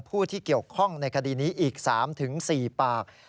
ผู้ที่เกี่ยวข้องในคดีนี้อีก๓๔ปาก